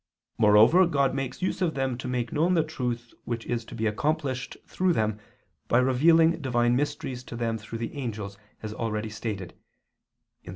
Moreover God makes use of them to make known the truth which is to be accomplished through them, by revealing Divine mysteries to them through the angels, as already stated (Gen. ad lit.